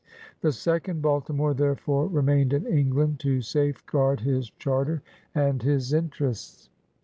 The second Baltimore therefore remained in England to safe guard his charter and his interests.